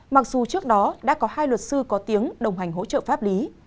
mặc dù trước đó đã có hai luật sư có tiếng đồng hành hỗ trợ pháp lý